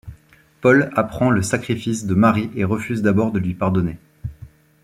Paul apprend le sacrifice de Mary et refuse d'abord de lui pardonner.